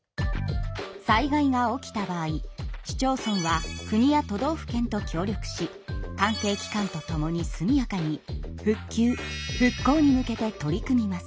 災害が起きた場合市町村は国や都道府県と協力し関係機関と共に速やかに復旧・復興に向けて取り組みます。